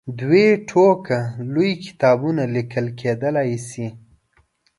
دوې ټوکه لوی کتابونه لیکل کېدلای شي.